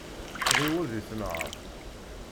Ɣiwel deg tenhaṛt.